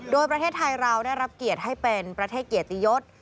โดยประเทศไทยเราได้รับเกียรติให้เป็นประเทศเกียรติยศ